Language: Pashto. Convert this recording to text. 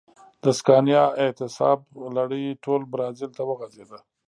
د سکانیا اعتصاب لړۍ ټول برازیل ته وغځېده.